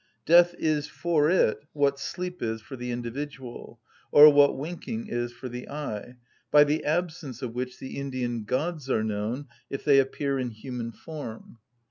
Death is for it what sleep is for the individual, or what winking is for the eye, by the absence of which the Indian gods are known, if they appear in human form.